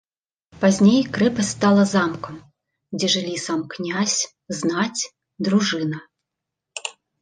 Пазней крэпасць стала замкам, дзе жылі сам князь, знаць, дружына.